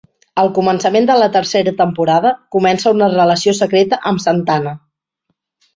Al començament de la tercera temporada, comença una relació secreta amb Santana.